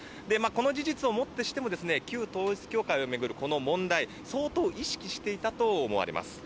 この事実をもってしても旧統一教会を巡る、この問題相当意識していたと思われます。